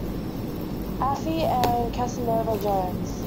Afi and Casanova Jones.